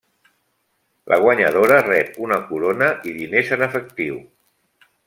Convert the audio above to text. La guanyadora rep una corona i diners en efectiu.